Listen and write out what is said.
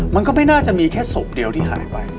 มันก็ไม่น่าจะมีแค่ศพเดียวที่หายไป